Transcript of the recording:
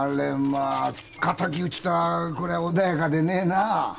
まあ仇討ちとはこりゃ穏やかでねえなあ。